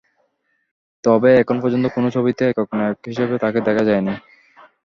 তবে এখন পর্যন্ত কোনো ছবিতেই একক নায়ক হিসেবে তাঁকে দেখা যায়নি।